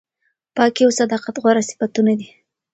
پاکي او صداقت غوره صفتونه دي.